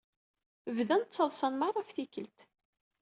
Bdan ttaḍsan merra ɣef tikelt.